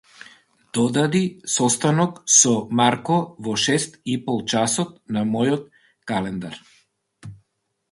Додади состанок со Марко во шест ипол часот на мојот календар.